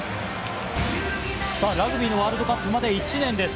さぁ、ラグビーのワールドカップまで１年です。